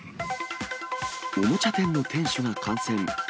おもちゃ店の店主が感染。